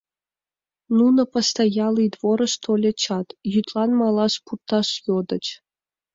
Нуно постоялый дворыш тольычат, йӱдлан малаш пурташ йодыч.